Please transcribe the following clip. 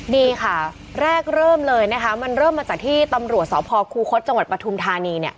นี่ค่ะแรกเริ่มเลยนะคะมันเริ่มมาจากที่ตำรวจสพคูคศจังหวัดปฐุมธานีเนี่ย